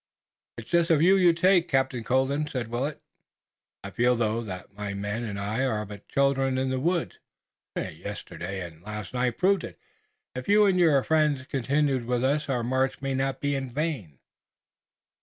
"It's a just view you take, Captain Colden," said Willet. "I feel, though, that my men and I are but children in the woods. Yesterday and last night proved it. If you and your friends continue with us our march may not be in vain."